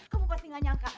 kamu pasti gak nyangka